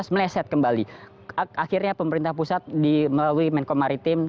dua ribu delapan belas meleset kembali akhirnya pemerintah pusat melalui menko maritim